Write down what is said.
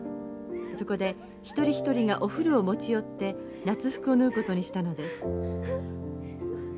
そこで一人一人がお古を持ち寄って夏服を縫うことにしたのです。